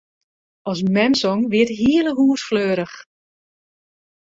As mem song, wie it hiele hús fleurich.